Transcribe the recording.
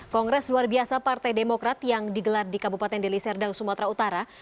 kongres luar biasa partai demokrat yang digelar di kabupaten deli serdang sumatera utara